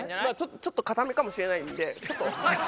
ちょっと硬めかもしれないんでちょっと。